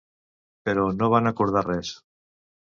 Però no van acordar res.